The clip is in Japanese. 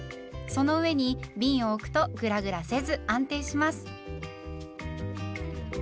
その上にびんを置くとグラグラせず安定します。